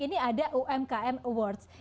ini ada umkm awards